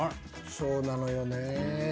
そうなのよね。